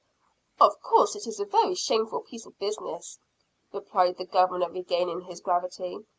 "Of course it is a very shameful piece of business," replied the Governor, regaining his gravity.